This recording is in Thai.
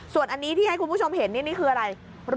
ส่วนอันนี้ที่ให้คุณผู้ชมเห็นนี่คืออะไร